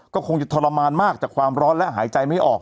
ก็คงจะทรมานมากจากความร้อนและหายใจไม่ออก